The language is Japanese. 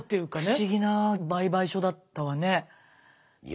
不思議な売買所だったわね。